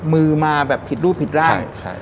มือมาแบบผิดรูปผิดร่าง